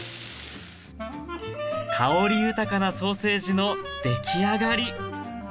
香り豊かなソーセージの出来上がり。